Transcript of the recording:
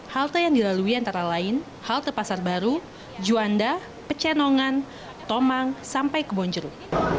halte yang dilalui antara lain halte pasar baru juanda pecenongan tomang sampai kebonjeruk